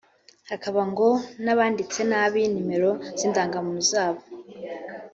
hakaba ngo n’abanditse nabi nimero z’indangamuntu zabo